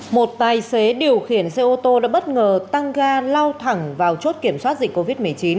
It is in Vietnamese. một tài xế điều khiển xe ô tô đã bất ngờ tăng ga lao thẳng vào chốt kiểm soát dịch covid một mươi chín